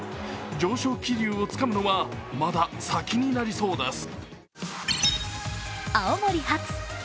上昇気流をつかむのはまだ先になりそうです。